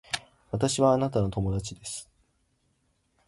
私はあなたの友達です